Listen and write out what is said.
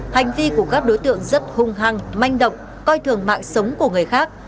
hành vi của các đối tượng rất hung hăng manh động coi thường mạng sống của người khác